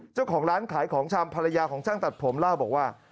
เจ้าของร้านขายของชำภรรยาของช่างตัดผมเล่าบอกว่า